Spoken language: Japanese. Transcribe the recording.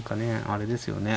あれですよね